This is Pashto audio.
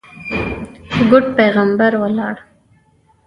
ګوډ پېغمبر ولاړ.